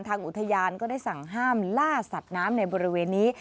อุทยานก็ได้สั่งห้ามล่าสัตว์น้ำในบริเวณนี้